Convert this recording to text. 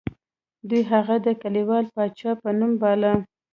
دوی هغه د کلیوال پاچا په نوم باله.